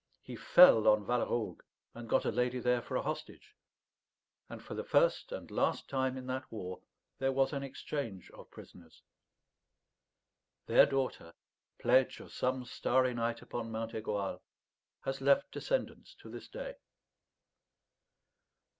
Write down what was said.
He fell on Valleraugue, and got a lady there for a hostage; and for the first and last time in that war there was an exchange of prisoners. Their daughter, pledge of some starry night upon Mount Aigoal, has left descendants to this day.